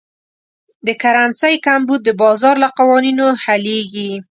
د کرنسۍ کمبود د بازار له قوانینو حلېږي.